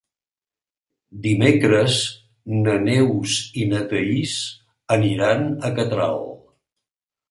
Dimecres na Neus i na Thaís aniran a Catral.